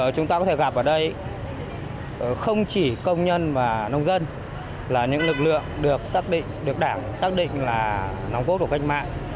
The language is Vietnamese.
chúng ta có thể gặp ở đây không chỉ công nhân và nông dân là những lực lượng được đảng xác định là nóng cốt của cách mạng